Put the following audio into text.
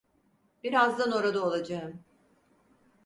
Birazdan orada olacağım.